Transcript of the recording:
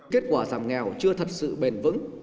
kết quả giảm nghèo chưa thật sự bền vững